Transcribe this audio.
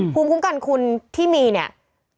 ภูมิคุ้มกันคุณที่มีเนี่ย